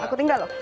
aku tinggal loh